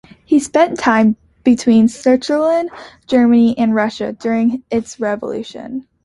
He spent time between Switzerland, Germany, and Russia, during its revolution.